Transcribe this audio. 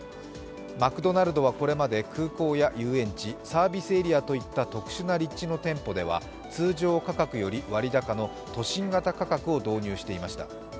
マクドナルドはこれまで空港や遊園地、サービスエリアといった特殊な立地の店舗では通常価格より割高の都心型価格を導入していました。